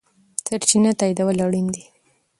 سرچینه تاییدول اړین دي.